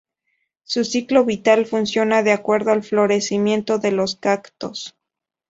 Su ciclo vital funciona de acuerdo al florecimiento de los cactos.